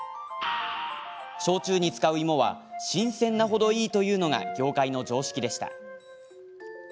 焼酎に使う芋は新鮮なほどいいというのが業界の常識でした。